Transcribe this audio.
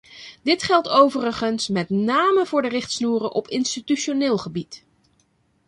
Dit geldt overigens met name voor de richtsnoeren op institutioneel gebied.